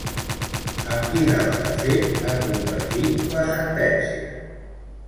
Amb quin altre fet ha convergit la sentència?